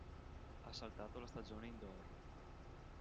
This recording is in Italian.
Ha saltato la stagione indoor.